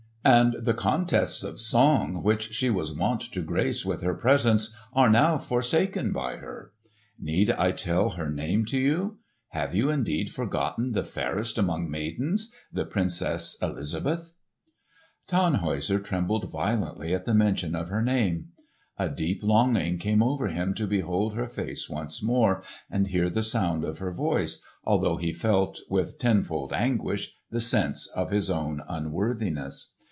And the contests of song which she was wont to grace with her presence are now forsaken by her. Need I tell her name to you? Have you indeed forgotten the fairest among maidens, the Princess Elizabeth?" Tannhäuser trembled violently at the mention of her name. A deep longing came over him to behold her face once more and hear the sound of her voice, although he felt with tenfold anguish the sense of his own unworthiness.